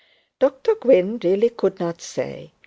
Dr Gwynne really could not say.